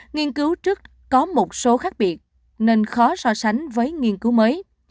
nghiên cứu trước có một số khác biệt nên khó so sánh với nghiên cứu mới